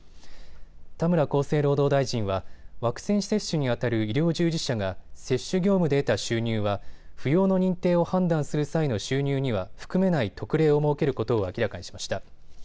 田村厚生労働大臣はワクチン接種にあたる医療従事者が接種業務で得た収入は扶養の認定を判断する際の収入には含めない特例を設けることを明らかにしました。